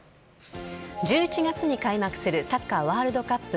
１１月に開幕するサッカーワールドカップ